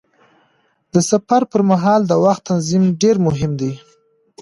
د سفر پر مهال د وخت تنظیم ډېر مهم دی.